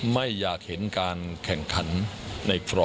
ไม่อยากเห็นการแข่งขันในครอง